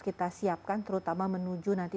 kita siapkan terutama menuju nanti